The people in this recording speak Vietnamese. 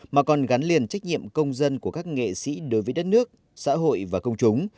mà còn gắn liền trách nhiệm công dân của các nghệ sĩ đối với đất nước xã hội và công chúng